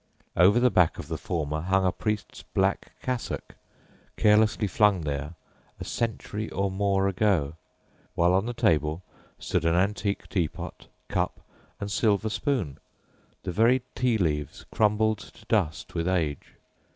Over the back of the former hung a priest's black cassock, carelessly flung there a century or more ago, while on the table stood an antique tea pot, cup, and silver spoon, the very tea leaves crumbled to dust with age.